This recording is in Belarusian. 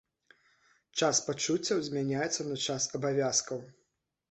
Час пачуццяў змяняецца на час абавязкаў.